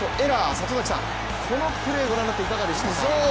里崎さん、このプレーをご覧になっていかがですか？